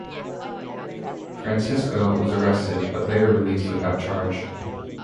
Francisco was arrested, but later released without charge.